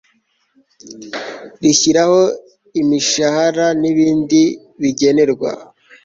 rishyiraho imishahara n ibindi bigenerwa